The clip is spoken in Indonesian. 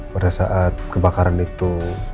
pada saat kebakaran itu